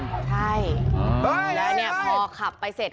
ใช่แล้วพอขับไปเสร็จ